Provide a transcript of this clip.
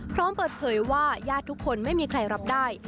พร้อมเปิดเผยว่าญาติทุกคนไม่มีใครรับได้